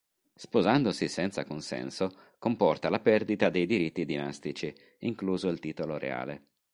Sposandosi senza consenso comporta la perdita dei diritti dinastici, incluso il titolo reale.